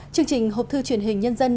chương trình hộp thư truyền hình nhân dân